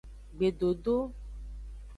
Gbedodo.